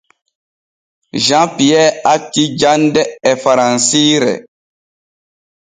Jean Pierre acci jande e faransiire.